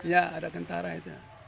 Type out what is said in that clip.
ya ada kentara itu